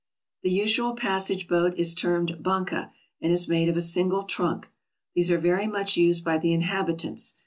The usual passage boat is termed banca, and is made of a single trunk. These are very much used by the inhabi tants.